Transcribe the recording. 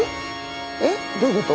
えっどういうこと？